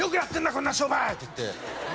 こんな商売！」って言って。